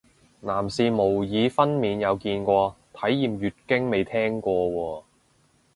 男士模擬分娩有見過，體驗月經未聽過喎